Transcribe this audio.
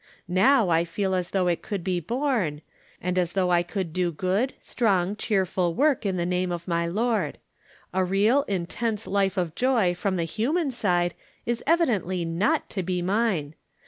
Now I feel as though it could be borne, and as though I could do good, strong, cheerful work in the name of my Lord. A real, intense life of joy from the human side is evidently not to be mine.